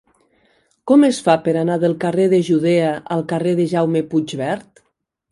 Com es fa per anar del carrer de Judea al carrer de Jaume Puigvert?